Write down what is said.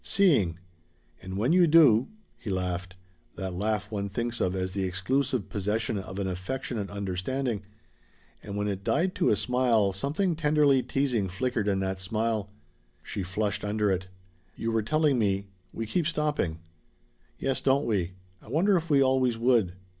"Seeing. And when you do !" He laughed that laugh one thinks of as the exclusive possession of an affectionate understanding. And when it died to a smile, something tenderly teasing flickered in that smile. She flushed under it. "You were telling me we keep stopping." "Yes, don't we? I wonder if we always would."